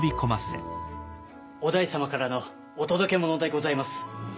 於大様からのお届け物でございます。